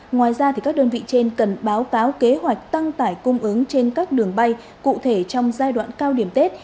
ngoài ra các đơn vị trên cần báo cáo kế hoạch tăng tải cung ứng trên các đường bay cụ thể trong giai đoạn cao điểm tết